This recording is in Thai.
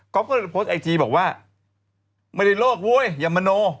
ก็เลยโพสต์ไอจีบอกว่าไม่ได้โลกเว้ยอย่ามโน